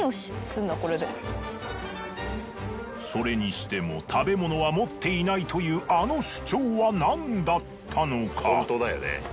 それにしても食べ物は持っていないというあの主張は何だったのか。